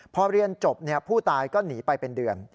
พอเรียนจบผู้ตายก็หนีไปเป็นเดือน